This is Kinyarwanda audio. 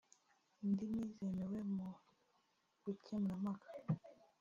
indimi zemewe mu bukemurampaka